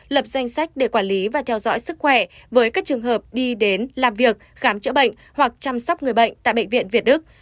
lập danh sách để quản lý và theo dõi sức khỏe với các trường hợp đi đến làm việc khám chữa bệnh hoặc chăm sóc người bệnh tại bệnh viện việt đức